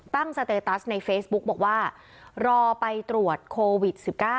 สเตตัสในเฟซบุ๊กบอกว่ารอไปตรวจโควิด๑๙